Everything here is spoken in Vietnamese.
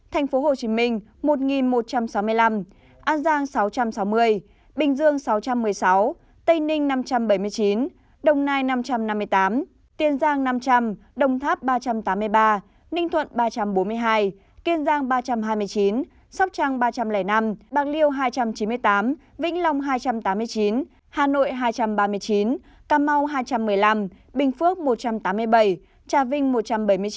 thành phố hồ chí minh một một trăm sáu mươi năm an giang sáu trăm sáu mươi bình dương sáu trăm một mươi sáu tây ninh năm trăm bảy mươi chín đồng nai năm trăm năm mươi tám tiền giang năm trăm linh đồng tháp ba trăm tám mươi ba ninh thuận ba trăm bốn mươi hai kiên giang ba trăm hai mươi chín sóc trăng ba trăm linh năm bạc liêu hai trăm chín mươi tám vĩnh lòng hai trăm tám mươi chín hà nội hai trăm ba mươi chín cà mau hai trăm một mươi năm bình phước một trăm tám mươi bảy trà vinh một trăm bảy mươi chín